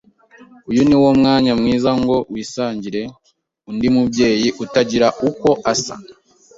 Uyu ni wo mwanya mwiza ngo wisangire undi mubyeyi utagira uko asa,